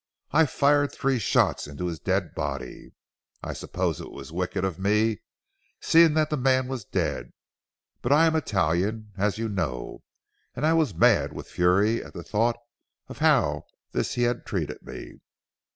I fired three shots into his dead body. I suppose it was wicked of me, seeing that the man was dead. But I am Italian as you know, and I was mad with fury at the thought of how this he had treated me.